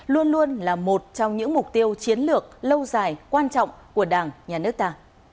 luôn luôn là một trong những mục tiêu chiến lược lâu dài quan trọng của đảng nhà nước ta